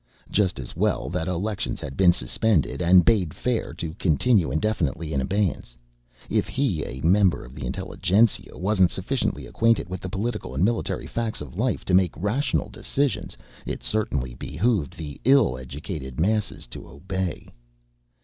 Just as well that elections had been suspended and bade fair to continue indefinitely in abeyance. If he, a member of the intelligentsia, wasn't sufficiently acquainted with the political and military facts of life to make rational decisions, it certainly behooved the ill educated masses to obey.